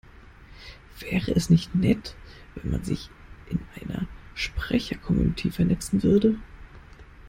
Wäre es nicht nett, wenn man sich in einer Sprechercommunity vernetzen würde?